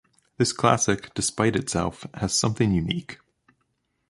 This classic, despite itself, has something unique.